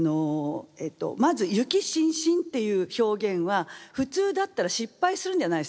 まず「雪しんしん」っていう表現は普通だったら失敗するんじゃないですか？